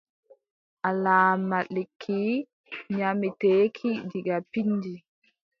Alaama lekki nyaameteeki diga pinndi.